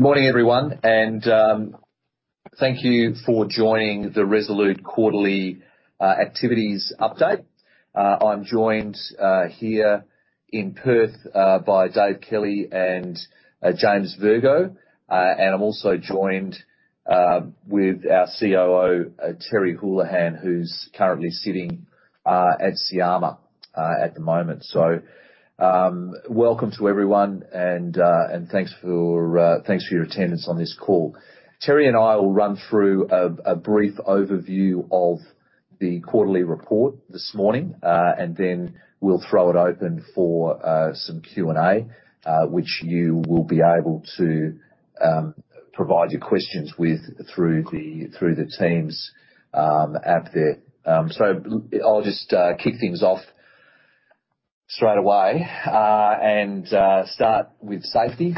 Morning everyone, thank you for joining the Resolute quarterly activities update. I'm joined here in Perth by David Kelly and James Virgo. I'm also joined with our COO, Terry Holohan, who's currently sitting at Syama at the moment. Welcome to everyone and thanks for your attendance on this call. Terry and I will run through a brief overview of the quarterly report this morning, and then we'll throw it open for some Q&A, which you will be able to provide your questions with through the Teams app there. I'll just kick things off straight away and start with safety.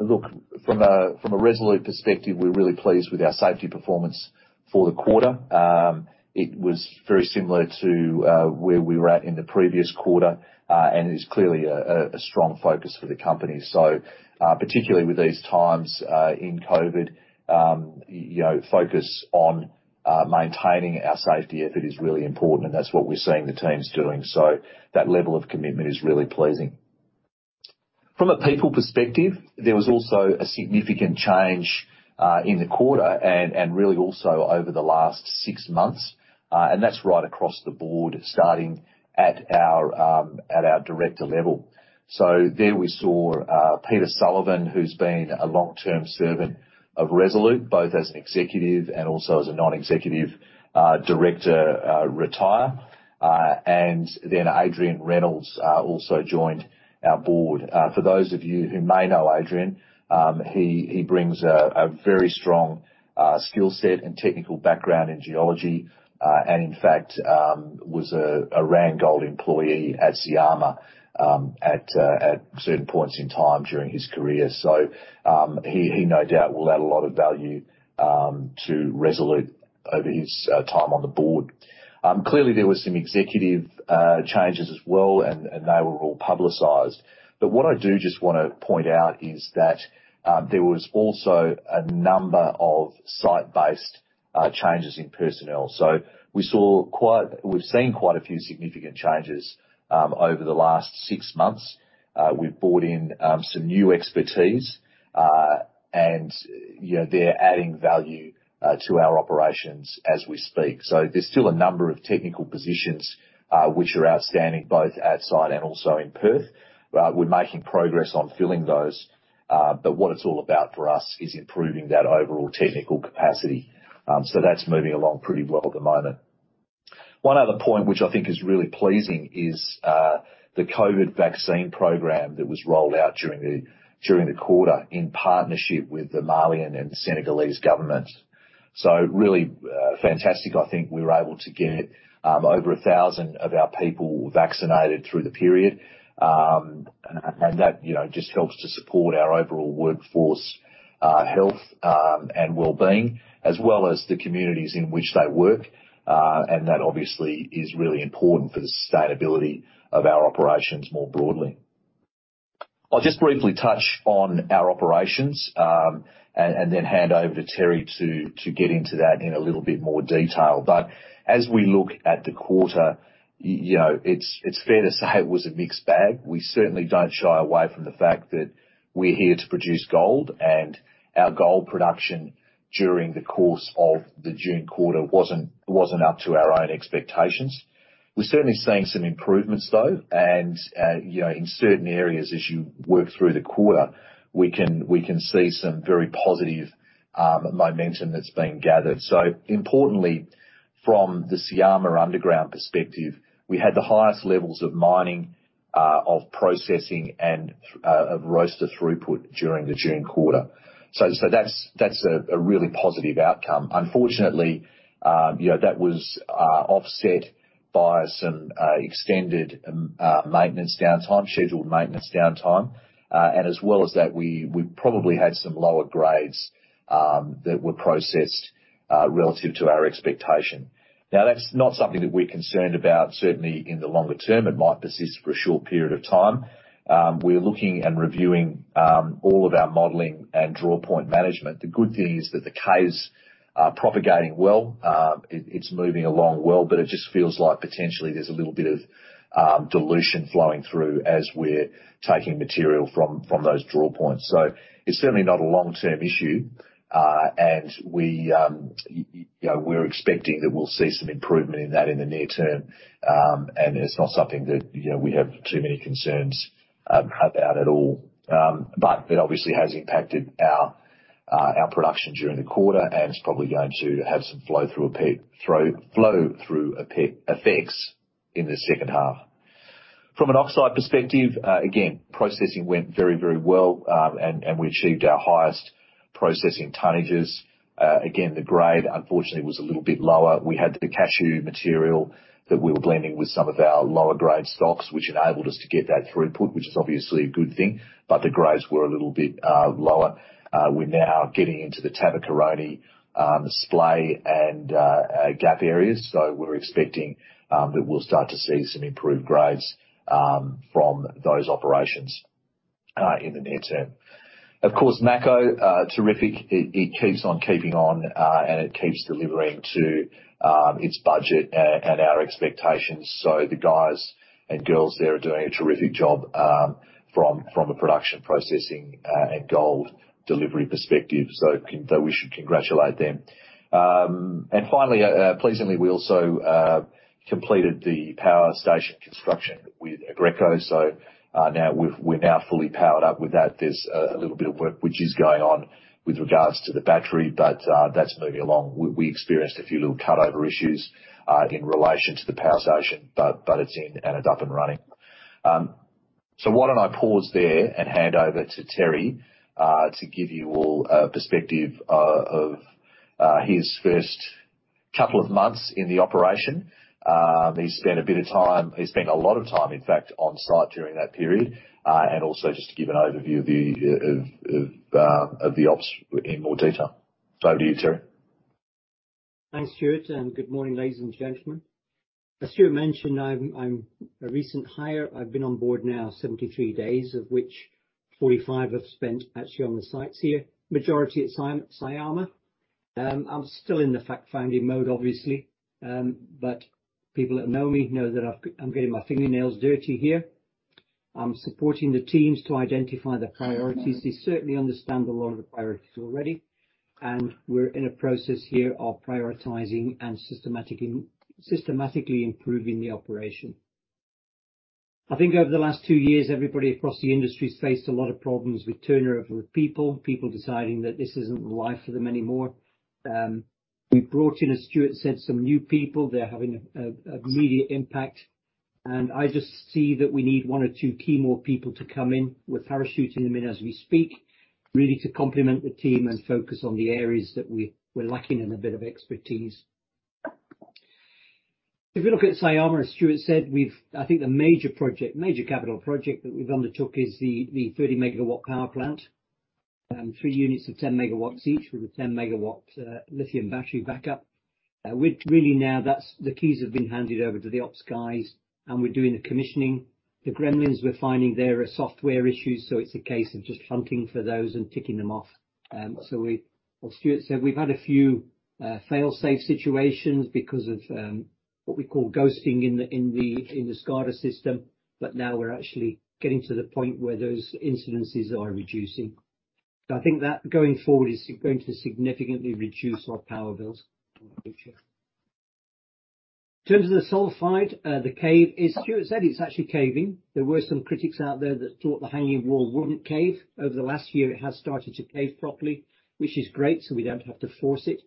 Look, from a Resolute perspective, we're really pleased with our safety performance for the quarter. It was very similar to where we were at in the previous quarter, and it is clearly a strong focus for the company. Particularly with these times in COVID, focus on maintaining our safety effort is really important and that's what we're seeing the teams doing. From a people perspective, there was also a significant change in the quarter and really also over the last six months. That's right across the board, starting at our director level. There we saw Peter Sullivan, who's been a long-term servant of Resolute, both as an executive and also as a non-executive director, retire. Adrian Reynolds also joined our board. For those of you who may know Adrian, he brings a very strong skill set and technical background in geology. In fact, was a Randgold employee at Syama at certain points in time during his career. He no doubt will add a lot of value to Resolute over his time on the board. Clearly, there were some executive changes as well, and they were all publicized. What I do just want to point out is that there was also a number of site-based changes in personnel. We've seen quite a few significant changes over the last six months. We've brought in some new expertise, and they're adding value to our operations as we speak. There's still a number of technical positions which are outstanding, both at site and also in Perth. We're making progress on filling those. What it's all about for us is improving that overall technical capacity. That's moving along pretty well at the moment. One other point which I think is really pleasing is the COVID vaccine program that was rolled out during the quarter in partnership with the Malian and the Senegalese government. Really, fantastic. I think we were able to get over 1,000 of our people vaccinated through the period. That just helps to support our overall workforce health and well-being, as well as the communities in which they work. That obviously is really important for the sustainability of our operations more broadly. I'll just briefly touch on our operations, and then hand over to Terry to get into that in a little bit more detail. As we look at the quarter, it's fair to say it was a mixed bag. We certainly don't shy away from the fact that we're here to produce gold, and our gold production during the course of the June quarter wasn't up to our own expectations. We're certainly seeing some improvements though, and in certain areas as you work through the quarter, we can see some very positive momentum that's being gathered. Importantly, from the Syama underground perspective, we had the highest levels of mining, of processing and of roaster throughput during the June quarter. That's a really positive outcome. Unfortunately, that was offset by some extended maintenance downtime, scheduled maintenance downtime. As well as that, we probably had some lower grades that were processed, relative to our expectation. Now, that's not something that we're concerned about. Certainly, in the longer term, it might persist for a short period of time. We're looking and reviewing all of our modeling and draw point management. The good thing is that the caves are propagating well. It's moving along well, but it just feels like potentially there's a little bit of dilution flowing through as we're taking material from those draw points. It's certainly not a long-term issue. We're expecting that we'll see some improvement in that in the near term. It's not something that we have too many concerns about at all. It obviously has impacted our production during the quarter, and it's probably going to have some flow through effects in the second half. From an oxide perspective, again, processing went very, very well and we achieved our highest processing tonnages. Again, the grade unfortunately was a little bit lower. We had the Cashew material that we were blending with some of our lower grade stocks, which enabled us to get that throughput, which is obviously a good thing. The grades were a little bit lower. We're now getting into the Tabakoroni splay and gap areas, so we're expecting that we'll start to see some improved grades from those operations in the near term. Of course, Mako, terrific. It keeps on keeping on, and it keeps delivering to its budget and our expectations. The guys and girls there are doing a terrific job from a production, processing, and gold delivery perspective. We should congratulate them. Finally, pleasingly, we also completed the power station construction with Aggreko. We're now fully powered up with that. There's a little bit of work which is going on with regards to the battery, but that's moving along. We experienced a few little cut-over issues in relation to the power station, but it's in and up and running. Why don't I pause there and hand over to Terry, to give you all a perspective of his first couple of months in the operation. He spent a lot of time in fact on site during that period. Also just to give an overview of the ops in more detail. Over to you, Terry. Thanks, Stuart, and good morning, ladies and gentlemen. As Stuart mentioned, I'm a recent hire. I've been on board now 73 days, of which 45 I've spent actually on the sites here, majority at Syama. I'm still in the fact-finding mode, obviously. People that know me know that I'm getting my fingernails dirty here. I'm supporting the teams to identify the priorities. They certainly understand a lot of the priorities already, and we're in a process here of prioritizing and systematically improving the operation. I think over the last two years, everybody across the industry has faced a lot of problems with turnover of people deciding that this isn't the life for them anymore. We brought in, as Stuart said, some new people. They're having an immediate impact. I just see that we need one or two key more people to come in. We're parachuting them in as we speak, really to complement the team and focus on the areas that we're lacking in a bit of expertise. If you look at Syama, as Stuart said, I think the major project, major capital project that we've undertook is the 30-MW power plant. Three units of 10 MW each with a 10-MW lithium battery backup. The keys have been handed over to the ops guys, and we're doing the commissioning. The gremlins we're finding there are software issues, it's a case of just hunting for those and ticking them off. As Stuart said, we've had a few fail-safe situations because of what we call ghosting in the SCADA system. Now we're actually getting to the point where those incidences are reducing. I think that, going forward, is going to significantly reduce our power bills in the future. In terms of the sulfide, the cave, as Stuart said, it's actually caving. There were some critics out there that thought the hanging wall wouldn't cave. Over the last year, it has started to cave properly, which is great, so we don't have to force it.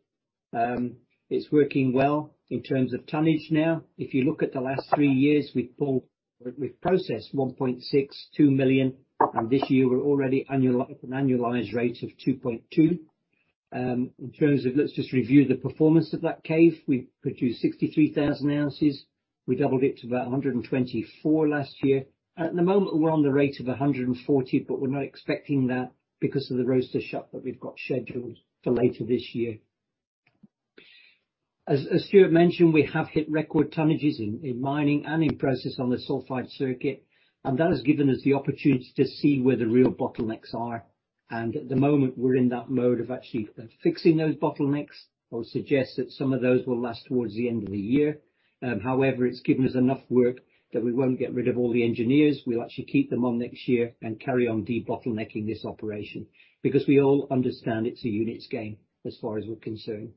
It's working well in terms of tonnage now. If you look at the last three years, we've processed 1.62 million, and this year we're already at an annualized rate of 2.2 million. In terms of let's just review the performance of that cave. We produced 63,000 oz. We doubled it to about 124,000 oz last year. At the moment, we're on the rate of 140,000 oz, but we're not expecting that because of the roaster shut that we've got scheduled for later this year. As Stuart mentioned, we have hit record tonnages in mining and in process on the sulfide circuit, and that has given us the opportunity to see where the real bottlenecks are. At the moment, we're in that mode of actually fixing those bottlenecks. I would suggest that some of those will last towards the end of the year. However, it's given us enough work that we won't get rid of all the engineers. We'll actually keep them on next year and carry on de-bottlenecking this operation because we all understand it's a units game as far as we're concerned.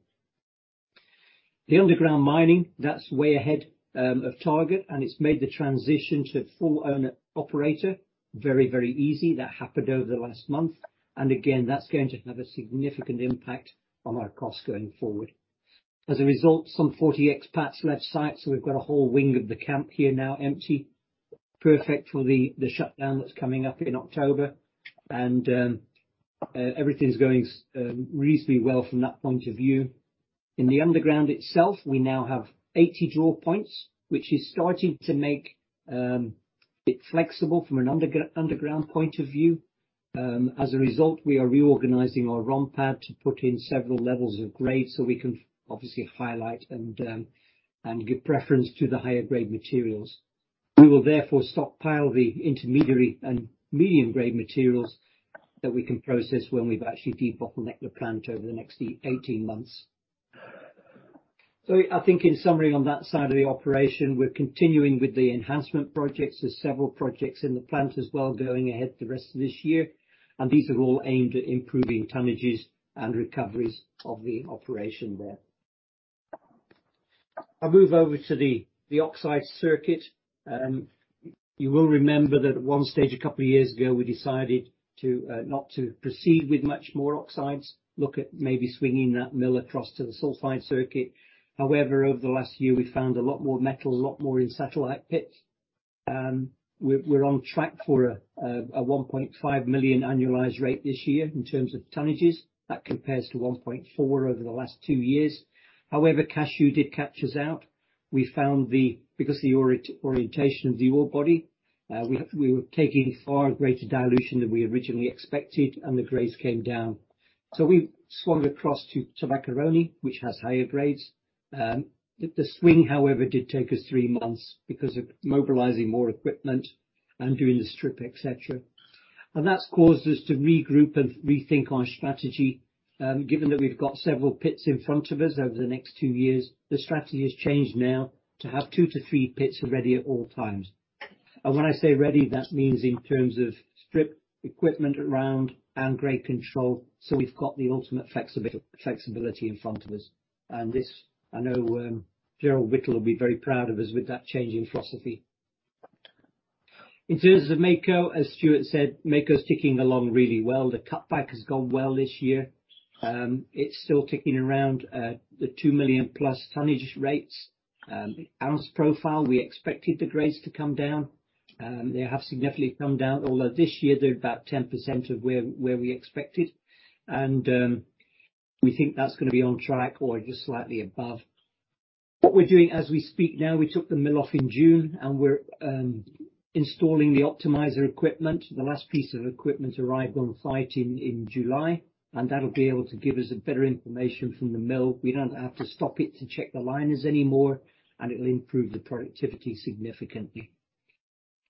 The underground mining, that's way ahead of target, and it's made the transition to full owner operator very, very easy. That happened over the last month. Again, that's going to have a significant impact on our costs going forward. As a result, some 40 expats left site, so we've got a whole wing of the camp here now empty. Perfect for the shutdown that's coming up in October. Everything's going reasonably well from that point of view. In the underground itself, we now have 80 draw points, which is starting to make it flexible from an underground point of view. As a result, we are reorganizing our ROM pad to put in several levels of grade so we can obviously highlight and give preference to the higher-grade materials. We will therefore stockpile the intermediary and medium-grade materials that we can process when we've actually de-bottlenecked the plant over the next 18 months. I think in summary on that side of the operation, we're continuing with the enhancement projects. There's several projects in the plant as well going ahead the rest of this year, and these are all aimed at improving tonnages and recoveries of the operation there. I'll move over to the oxide circuit. You will remember that at one stage a couple of years ago, we decided not to proceed with much more oxides, look at maybe swinging that mill across to the sulfide circuit. Over the last year, we found a lot more metal, a lot more in satellite pits. We're on track for a 1.5 million annualized rate this year in terms of tonnages. That compares to 1.4 over the last two years. Cashew did catch us out. Because the orientation of the ore body, we were taking far greater dilution than we originally expected, and the grades came down. We swung across to Tabakoroni, which has higher grades. The swing, however, did take us three months because of mobilizing more equipment and doing the strip, etc. That's caused us to regroup and rethink our strategy, given that we've got several pits in front of us over the next two years. The strategy has changed now to have two to three pits ready at all times. When I say ready, that means in terms of strip, equipment around, and grade control, we've got the ultimate flexibility in front of us. This, I know Gerald Whittle will be very proud of us with that change in philosophy. In terms of Mako, as Stuart said, Mako's ticking along really well. The cut back has gone well this year. It's still ticking around the 2+ million tonnage rates. The ounce profile, we expected the grades to come down. They have significantly come down. Although this year, they're about 10% of where we expected. We think that's going to be on track or just slightly above. What we're doing as we speak now, we took the mill off in June. We're installing the optimizer equipment. The last piece of equipment arrived on site in July. That'll be able to give us better information from the mill. We don't have to stop it to check the liners anymore, and it'll improve the productivity significantly.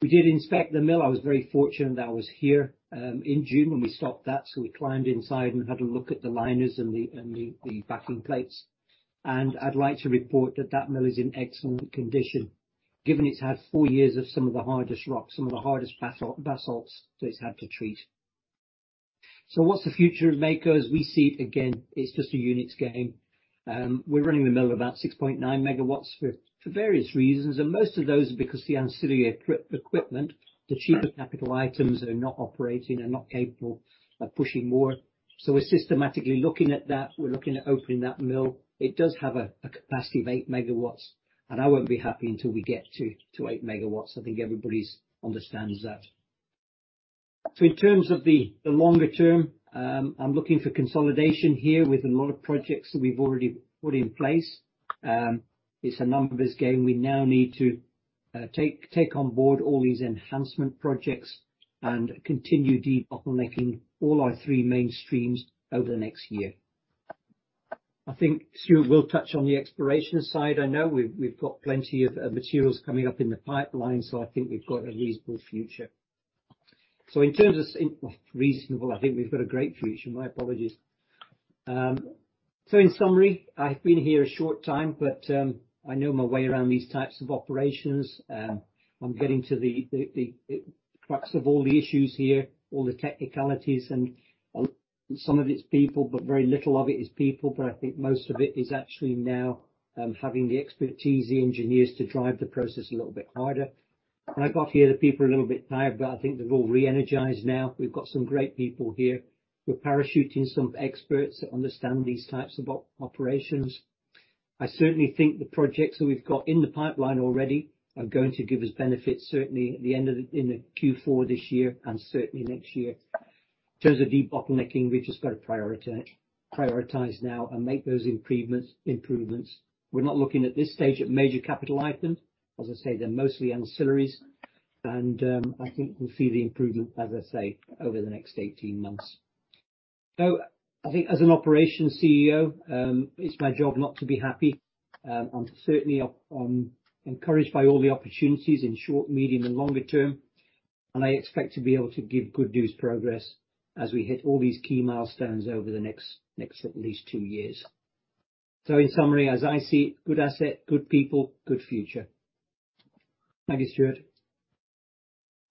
We did inspect the mill. I was very fortunate that I was here in June when we stopped that, so we climbed inside and had a look at the liners and the plates. I'd like to report that that mill is in excellent condition, given it's had four years of some of the hardest rock, some of the hardest basalts that it's had to treat. What's the future of Mako? As we see it, again, it's just a units game. We're running the mill about 6.9 MW for various reasons, and most of those are because the ancillary equipment, the cheaper capital items are not operating, are not capable of pushing more. We're systematically looking at that. We're looking at opening that mill. It does have a capacity of 8 MW, and I won't be happy until we get to 8 MW. I think everybody understands that. In terms of the longer term, I'm looking for consolidation here with a lot of projects that we've already put in place. It's a numbers game. We now need to take on board all these enhancement projects and continue debottlenecking all our three mainstreams over the next year. I think Stuart will touch on the exploration side. I know we've got plenty of materials coming up in the pipeline, so I think we've got a reasonable future. In terms of reasonable, I think we've got a great future. My apologies. In summary, I've been here a short time, but I know my way around these types of operations. I'm getting to the crux of all the issues here, all the technicalities and some of it's people, but very little of it is people. I think most of it is actually now having the expertise, the engineers, to drive the process a little bit harder. I got here, the people were a little bit tired, but I think they're all re-energized now. We've got some great people here. We're parachuting some experts that understand these types of operations. I certainly think the projects that we've got in the pipeline already are going to give us benefits, certainly at the end of, in the Q4 this year and certainly next year. In terms of de-bottlenecking, we've just got to prioritize now and make those improvements. We're not looking at this stage at major capital items. As I say, they're mostly ancillaries. I think we'll see the improvement, as I say, over the next 18 months. I think as an operations CEO, it's my job not to be happy. I'm certainly encouraged by all the opportunities in short, medium, and longer term, and I expect to be able to give good news progress as we hit all these key milestones over the next at least two years. In summary, as I see, good asset, good people, good future. Thank you, Stuart.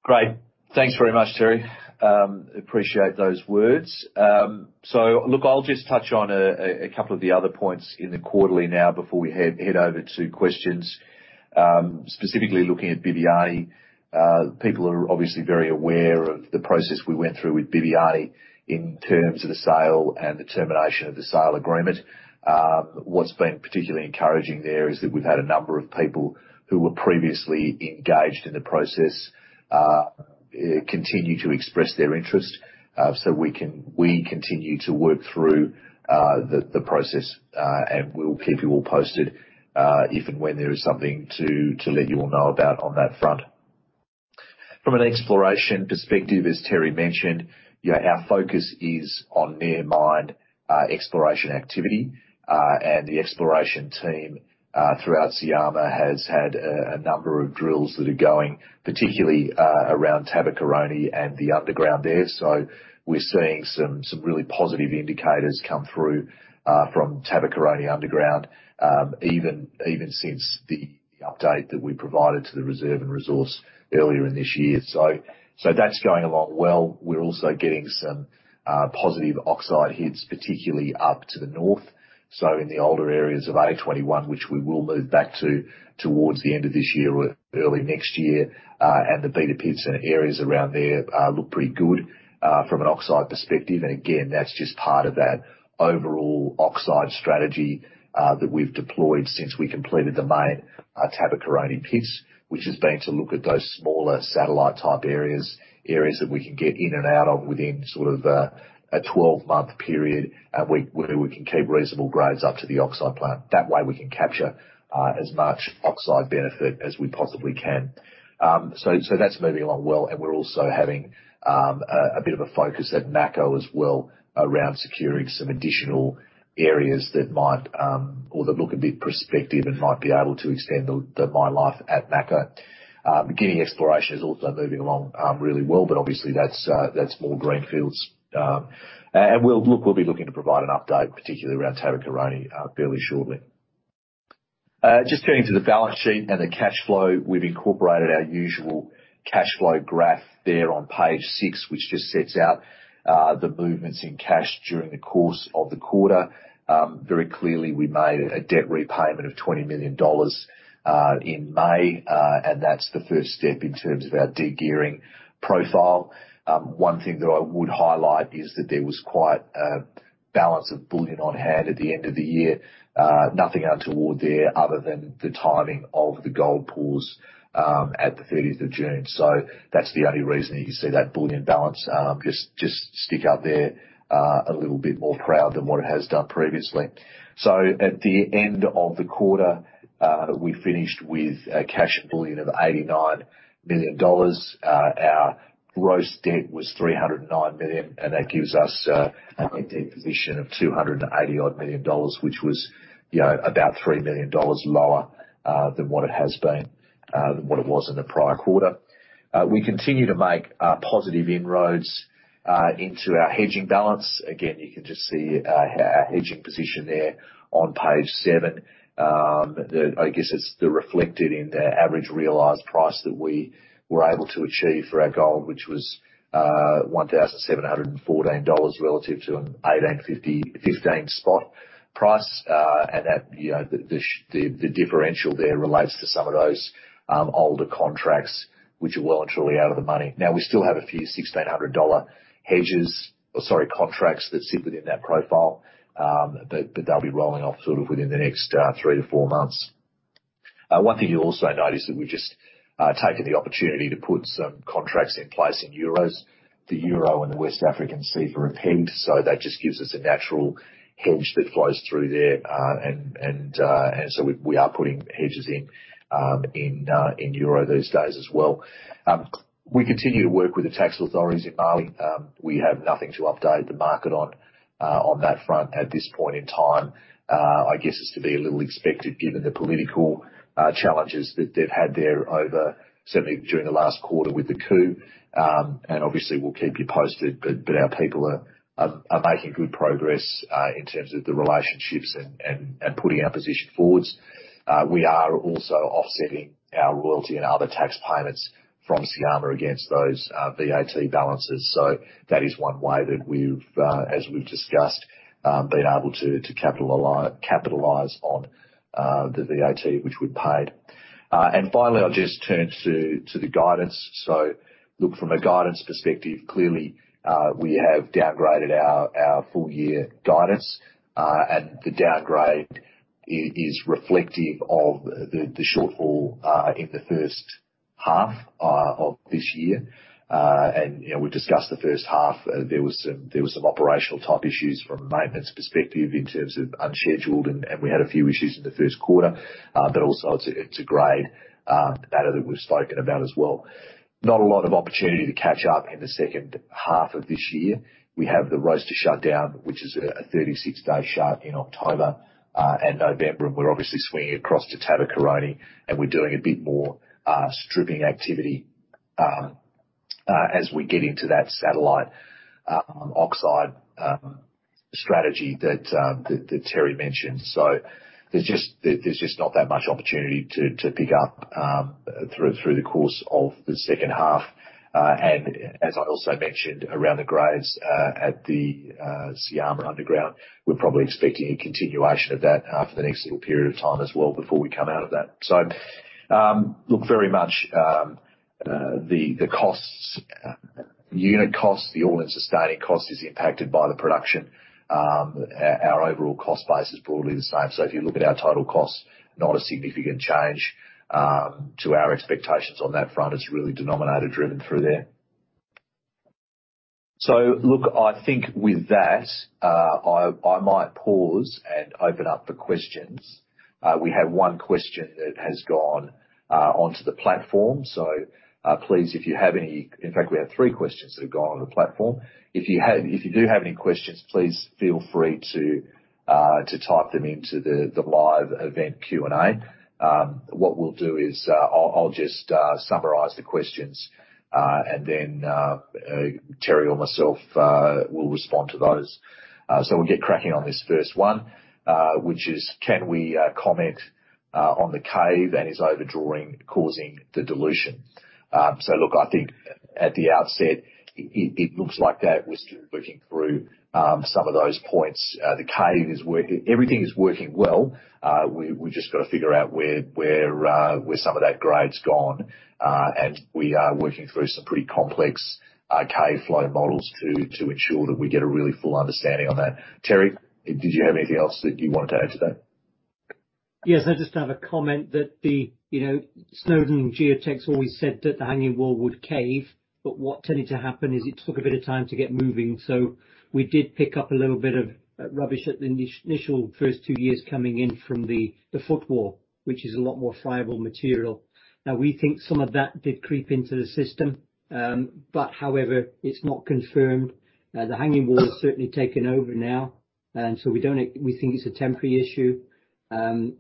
Great. Thanks very much, Terry. Appreciate those words. Look, I'll just touch on a couple of the other points in the quarterly now before we head over to questions. Specifically looking at Bibiani. People are obviously very aware of the process we went through with Bibiani in terms of the sale and the termination of the sale agreement. What's been particularly encouraging there is that we've had a number of people who were previously engaged in the process, continue to express their interest. We continue to work through the process. We'll keep you all posted if and when there is something to let you all know about on that front. From an exploration perspective, as Terry mentioned, our focus is on near mine exploration activity. The exploration team throughout Syama has had a number of drills that are going particularly around Tabakoroni and the underground there. We're seeing some really positive indicators come through from Tabakoroni underground, even since the update that we provided to the reserve and resource earlier in this year. We're also getting some positive oxide hits, particularly up to the north. In the older areas of A21, which we will move back to towards the end of this year or early next year. The Beta pits and areas around there look pretty good from an oxide perspective. Again, that's just part of that overall oxide strategy that we've deployed since we completed the main Tabakoroni pits, which has been to look at those smaller satellite type areas. Areas that we can get in and out of within sort of a 12-month period, and where we can keep reasonable grades up to the oxide plant. That way we can capture as much oxide benefit as we possibly can. That's moving along well. We're also having a bit of a focus at Mako as well around securing some additional areas that might, or that look a bit prospective and might be able to extend the mine life at Mako. Guinea exploration is also moving along really well, but obviously that's more greenfields. Look, we'll be looking to provide an update, particularly around Tabakoroni, fairly shortly. Just turning to the balance sheet and the cash flow. We've incorporated our usual cash flow graph there on page six, which just sets out the movements in cash during the course of the quarter. Very clearly, we made a debt repayment of $20 million in May, and that's the first step in terms of our de-gearing profile. One thing that I would highlight is that there was quite a balance of bullion on hand at the end of the year. Nothing untoward there other than the timing of the gold pools at the 30th of June. That's the only reason you see that bullion balance just stick up there, a little bit more proud than what it has done previously. At the end of the quarter, we finished with a cash bullion of 89 million dollars. Our gross debt was 309 million, and that gives us a net debt position of 280 odd million, which was about 3 million dollars lower than what it was in the prior quarter. We continue to make positive inroads into our hedging balance. Again, you can just see our hedging position there on page seven. I guess it's reflected in the average realized price that we were able to achieve for our gold, which was $1,714 relative to an $1,815 spot price. The differential there relates to some of those older contracts which are well and truly out of the money. We still have a few $1,600 hedges or, sorry, contracts that sit within that profile. They'll be rolling off sort of within the next three to four months. One thing you'll also notice that we've just taken the opportunity to put some contracts in place in Euros. The Euro and the West African CFA are pegged, so that just gives us a natural hedge that flows through there. We are putting hedges in Euro these days as well. We continue to work with the tax authorities in Mali. We have nothing to update the market on that front at this point in time. I guess it's to be a little expected given the political challenges that they've had there over, certainly during the last quarter with the coup. Obviously, we'll keep you posted. Our people are making good progress in terms of the relationships and putting our position forwards. We are also offsetting our royalty and other tax payments from Syama against those VAT balances. That is one way that as we've discussed, being able to capitalize on the VAT which we'd paid. Finally, I'll just turn to the guidance. Look, from a guidance perspective, clearly, we have downgraded our full-year guidance. The downgrade is reflective of the shortfall in the first half of this year. We've discussed the first half, there was some operational type issues from a maintenance perspective in terms of unscheduled, and we had a few issues in the first quarter. Also, it's a grade matter that we've spoken about as well. Not a lot of opportunity to catch up in the second half of this year. We have the roaster shutdown, which is a 36-day shut in October and November. We're obviously swinging across to Tabakoroni, and we're doing a bit more stripping activity as we get into that satellite oxide strategy that Terry mentioned. There's just not that much opportunity to pick up through the course of the second half. As I also mentioned around the grades at the Syama underground, we're probably expecting a continuation of that for the next little period of time as well before we come out of that. Look, very much the unit cost, the all-in sustaining cost is impacted by the production. Our overall cost base is broadly the same. If you look at our total costs, not a significant change to our expectations on that front. It's really denominator driven through there. Look, I think with that, I might pause and open up the questions. We have one question that has gone onto the platform. Please, in fact, we have three questions that have gone on the platform. If you do have any questions, please feel free to type them into the live event Q&A. What we'll do is, I'll just summarize the questions, and then Terry or myself will respond to those. We'll get cracking on this first one, which is, can we comment on the cave and is overdrawing causing the dilution? Look, I think at the outset it looks like that we're still working through some of those points. The cave is working. Everything is working well. We just got to figure out where some of that grade's gone. We are working through some pretty complex cave flow models to ensure that we get a really full understanding of that. Terry, did you have anything else that you wanted to add to that? Yes, I just have a comment that the Snowden Geotech always said that the hanging wall would cave, but what tended to happen is it took a bit of time to get moving. We did pick up a little bit of rubbish at the initial first two years coming in from the footwall, which is a lot more friable material. We think some of that did creep into the system. However, it's not confirmed. The hanging wall has certainly taken over now, and so we think it's a temporary issue. We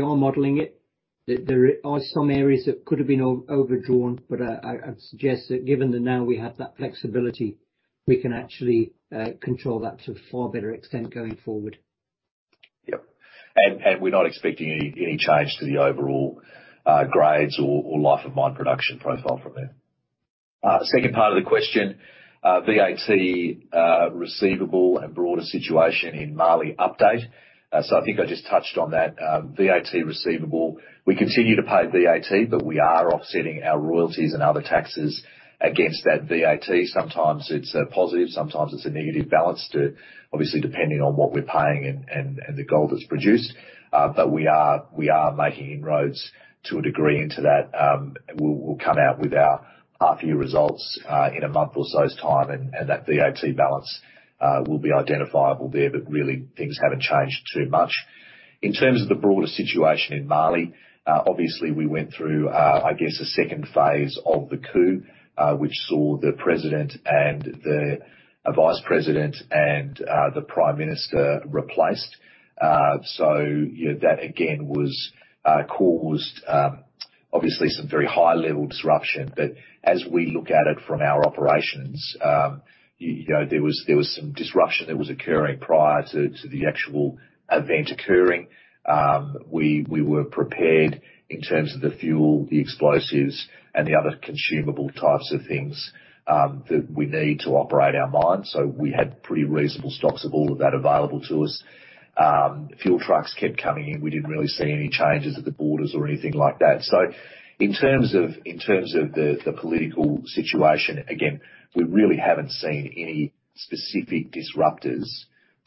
are modeling it. There are some areas that could have been overdrawn, but I'd suggest that given that now we have that flexibility, we can actually control that to a far better extent going forward. Yep. We're not expecting any change to the overall grades or life of mine production profile from there. Second part of the question, VAT receivable and broader situation in Mali update. I think I just touched on that. VAT receivable, we continue to pay VAT, but we are offsetting our royalties and other taxes against that VAT. Sometimes it's a positive, sometimes it's a negative balance, obviously, depending on what we're paying and the gold that's produced. We are making inroads to a degree into that. We'll come out with our half year results in one month or so's time, and that VAT balance will be identifiable there. Really things haven't changed too much. In terms of the broader situation in Mali, obviously, we went through, I guess, a second phase of the coup, which saw the President and the Vice President and the Prime Minister replaced. That, again, caused obviously some very high-level disruption. As we look at it from our operations, there was some disruption that was occurring prior to the actual event occurring. We were prepared in terms of the fuel, the explosives and the other consumable types of things that we need to operate our mine. We had pretty reasonable stocks of all of that available to us. Fuel trucks kept coming in. We didn't really see any changes at the borders or anything like that. In terms of the political situation, again, we really haven't seen any specific disruptors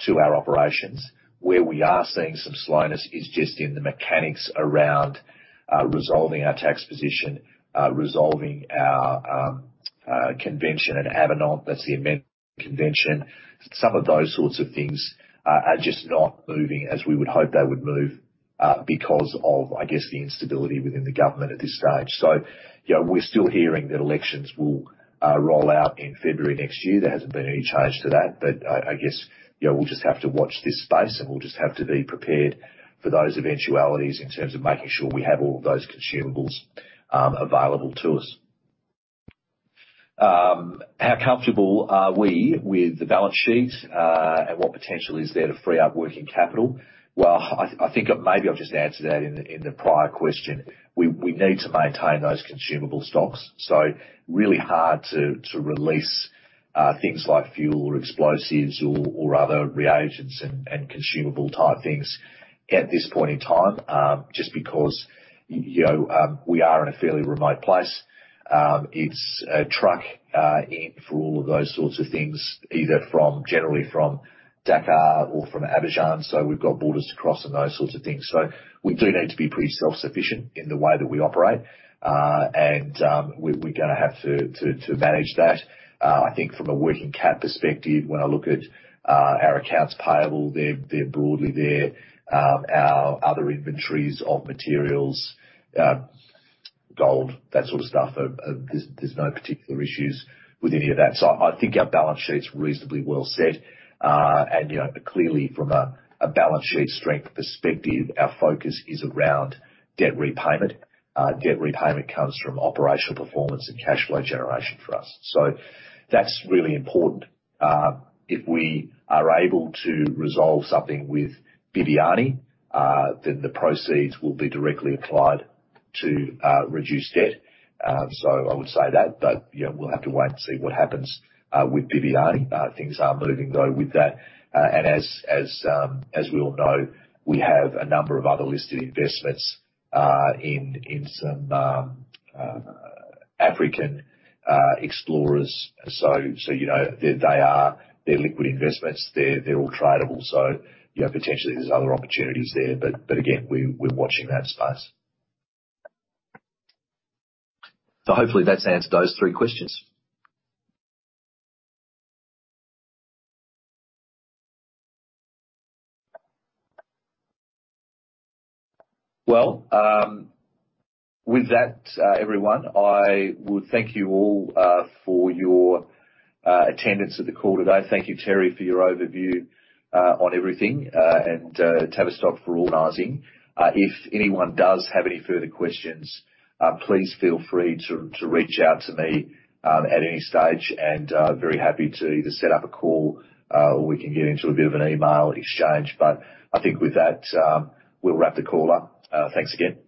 to our operations. Where we are seeing some slowness is just in the mechanics around resolving our tax position, resolving our convention at Abidjan, that's the amendment convention. Some of those sorts of things are just not moving as we would hope they would move because of, I guess, the instability within the government at this stage. We're still hearing that elections will roll out in February next year. There hasn't been any change to that. I guess, we'll just have to watch this space, and we'll just have to be prepared for those eventualities in terms of making sure we have all of those consumables available to us. How comfortable are we with the balance sheet? What potential is there to free up working capital? I think maybe I've just answered that in the prior question, we need to maintain those consumable stocks. Really hard to release things like fuel or explosives or other reagents and consumable type things at this one point in time, just because we are in a fairly remote place. It's a truck in for all of those sorts of things, either generally from Dakar or from Abidjan. We've got borders to cross and those sorts of things. We do need to be pretty self-sufficient in the way that we operate. We're going to have to manage that. I think from a working cap perspective, when I look at our accounts payable, they're broadly there. Our other inventories of materials, gold, that sort of stuff, there's no particular issues with any of that. I think our balance sheet's reasonably well set. Clearly from a balance sheet strength perspective, our focus is around debt repayment. Debt repayment comes from operational performance and cash flow generation for us. That's really important. If we are able to resolve something with Bibiani, then the proceeds will be directly applied to reduce debt. I would say that, but we'll have to wait and see what happens with Bibiani. Things are moving, though, with that. As we all know, we have a number of other listed investments in some African explorers. They're liquid investments. They're all tradable. Potentially there's other opportunities there. Again, we're watching that space. Hopefully that's answered those three questions. Well, with that, everyone, I would thank you all for your attendance at the call today. Thank you, Terry, for your overview on everything, and Tavistock for organizing. If anyone does have any further questions, please feel free to reach out to me at any stage, and very happy to either set up a call or we can get into a bit of an email exchange. I think with that, we'll wrap the call up. Thanks again.